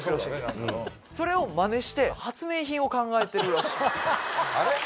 それをマネして発明品を考えてるらしい。